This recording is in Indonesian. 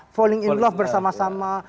folling in love bersama sama